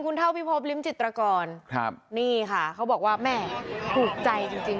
คุณเท้าพิภพริมจิตรกรนี่ค่ะเขาบอกว่าแหม่ถูกใจจริง